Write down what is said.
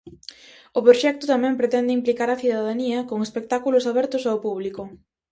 O proxecto tamén pretende implicar á cidadanía con espectáculos abertos ao público.